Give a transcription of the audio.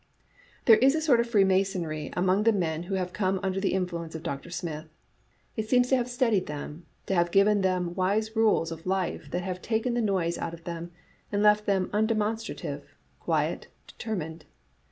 " There is a sort of Freemasonry among the men who have come under the influence of Dr. Smith. It seems to have steadied them — to have given them wise rules of life that have taken the noise out of them, and left them undemonstrative, quiet, determined.